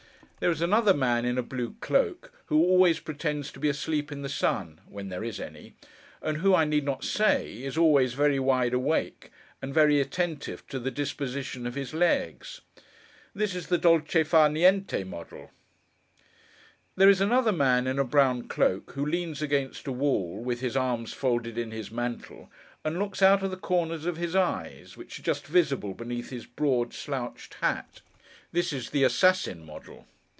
There is another man in a blue cloak, who always pretends to be asleep in the sun (when there is any), and who, I need not say, is always very wide awake, and very attentive to the disposition of his legs. This is the dolce far' niente model. There is another man in a brown cloak, who leans against a wall, with his arms folded in his mantle, and looks out of the corners of his eyes: which are just visible beneath his broad slouched hat. This is the assassin model.